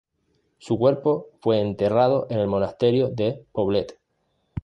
Su cuerpo fue enterrado en el Monasterio de Poblet.